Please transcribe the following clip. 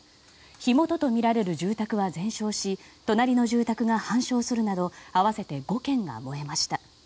火元とみられる住宅は全焼し隣の住宅が半焼するなど合わせて５軒が燃えました。